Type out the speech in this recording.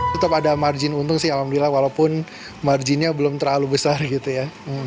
tetap ada margin untung sih alhamdulillah walaupun marginnya belum terlalu besar gitu ya